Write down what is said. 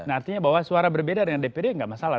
artinya bahwa suara berbeda dengan dprd tidak masalah